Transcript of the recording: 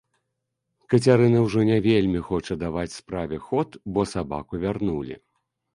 Кацярына ўжо не вельмі хоча даваць справе ход, бо сабаку вярнулі.